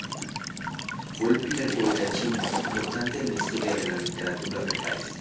Fue el primer poeta chino importante en la historia de la literatura del país.